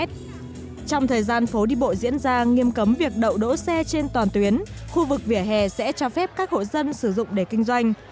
trong thời gian phố đi bộ diễn ra nghiêm cấm việc đậu đỗ xe trên toàn tuyến khu vực vỉa hè sẽ cho phép các hộ dân sử dụng để kinh doanh